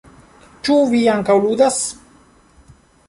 Ĉu vi ankaŭ ludas?